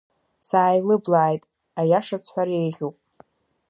Сааилыблааит, аиаша сҳәар еиӷьуп.